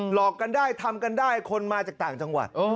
หลอกกันได้ทำกันได้คนมาจากต่างจังหวัด